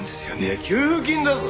給付金だぞ！